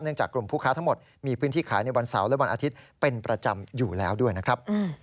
จากกลุ่มผู้ค้าทั้งหมดมีพื้นที่ขายในวันเสาร์และวันอาทิตย์เป็นประจำอยู่แล้วด้วยนะครับ